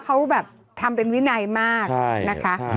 เขาแบบทำเป็นวินัยมากนะคะ